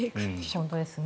本当ですね。